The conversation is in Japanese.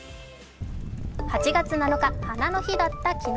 ８月７日、花の日だった昨日。